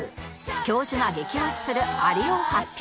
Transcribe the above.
教授が激推しするアリを発表